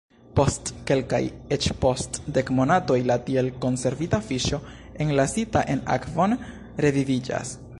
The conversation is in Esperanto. Post kelkaj, eĉ post dek monatoj la tiel konservita fiŝo, enlasita en akvon, reviviĝas.